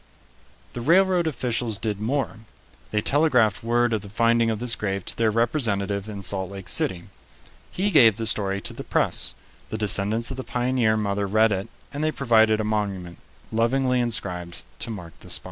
The railroad officials did more. They telegraphed word of the finding of this grave to their representative in Salt Lake City. He gave the story to the press; the descendants of the pioneer mother read it, and they provided a monument, lovingly inscribed, to mark the spot.